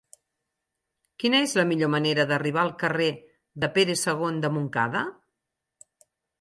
Quina és la millor manera d'arribar al carrer de Pere II de Montcada?